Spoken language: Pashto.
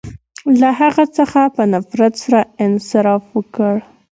• له هغه څخه په نفرت سره انصراف وکړ.